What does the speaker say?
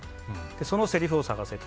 そのせりふを探せと。